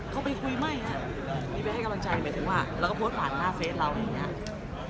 เขาไปคุยไม่ครับมีไปให้กำลังใจหมายถึงว่าเราก็โพสต์ผ่านหน้าเฟสเราอย่างนี้ครับ